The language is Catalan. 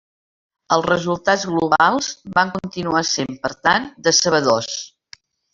Els resultats globals van continuar sent, per tant, decebedors.